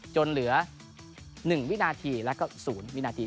จนเหลือ๑วินาทีแล้วก็๐วินาที